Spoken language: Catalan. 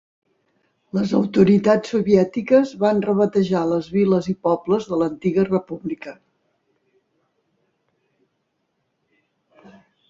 Les autoritats soviètiques van rebatejar les viles i pobles de l'antiga república.